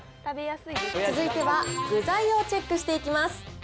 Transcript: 続いては、具材をチェックしていきます。